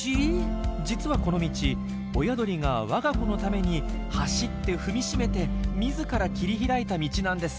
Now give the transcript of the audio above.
実はこの道親鳥が我が子のために走って踏みしめて自ら切り開いた道なんです。